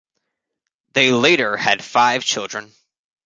They later had five children.